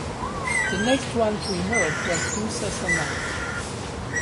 The next one to emerge was Dussasana.